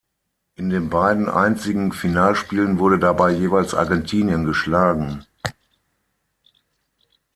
In den beiden einzigen Finalspielen wurde dabei jeweils Argentinien geschlagen.